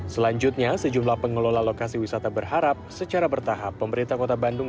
selanjutnya sejumlah pengelola lokasi wisata berharap secara bertahap pemerintah kota bandung